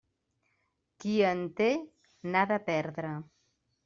Qui en té, n'ha de perdre.